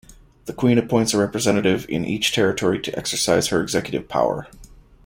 The Queen appoints a representative in each territory to exercise her executive power.